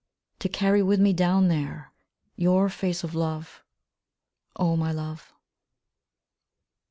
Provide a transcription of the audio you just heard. To carry with me down there Your face of love, O my love.